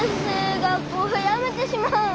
学校辞めてしまうん？